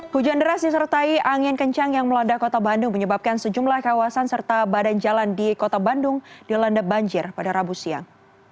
hujan deras disertai angin kencang yang melanda kota bandung menyebabkan sejumlah kawasan serta badan jalan di kota bandung dilanda banjir pada rabu siang